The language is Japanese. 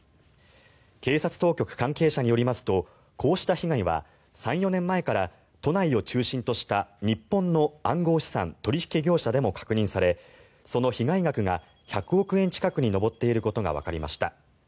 警察当局関係者によりますとこうした被害は３４年前から都内を中心とした日本の暗号資産取引業者でも確認されその被害額が１００億円近くに上っていることがわかりました。